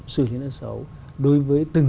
xử lý nợ xấu đối với từng